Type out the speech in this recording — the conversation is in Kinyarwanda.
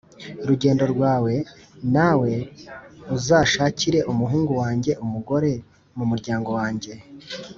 rugendo rwawe m Nawe uzashakire umuhungu wanjye umugore mu muryango wanjye